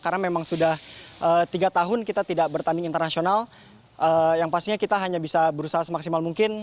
karena memang sudah tiga tahun kita tidak bertanding internasional yang pastinya kita hanya bisa berusaha semaksimal mungkin